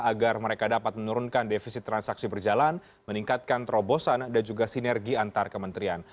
agar mereka dapat menurunkan defisit transaksi berjalan meningkatkan terobosan dan juga sinergi antar kementerian